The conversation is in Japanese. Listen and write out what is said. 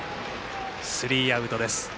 スリーアウトです。